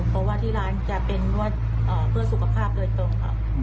เพราะว่าที่ร้านจะเป็นวัดเพื่อรสุขภาพตัวเอง